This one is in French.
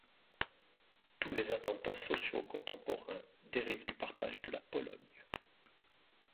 Tous les attentats sociaux contemporains dérivent du partage de la Pologne.